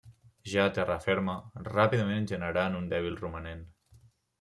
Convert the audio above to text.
Ja a terra ferma, ràpidament generà en un dèbil romanent.